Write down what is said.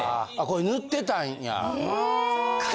これ塗ってたんや？